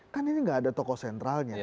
kan ini gak ada toko sentral